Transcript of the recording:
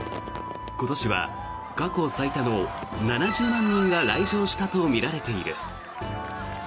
今年は過去最多の７０万人が来場したとみられている。